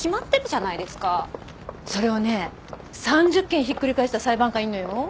それをね３０件ひっくり返した裁判官いんのよ。